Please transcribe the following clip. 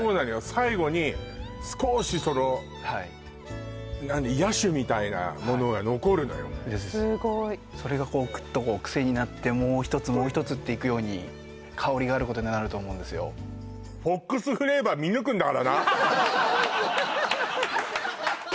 最後に少しその何野趣みたいなものが残るのよすごいそれがこうクッと癖になってもう一つもう一つっていくように香りがあることになると思うんですよハハハ